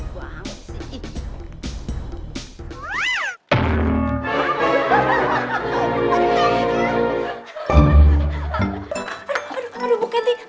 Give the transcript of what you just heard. gak bisa banget sih